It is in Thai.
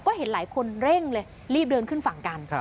ก็เห็นหลายคนเร่งเลยรีบเดินขึ้นฝั่งกัน